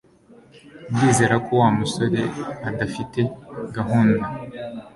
Ndizera ko Wa musore adafite gahunda